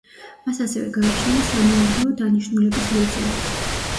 მას ასევე გააჩნია სამეურნეო დანიშნულების ნაწილიც.